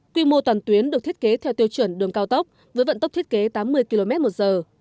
quy mô toàn tuyến được thiết kế theo tiêu chuẩn đường cao tốc với vận tốc thiết kế tám mươi km một giờ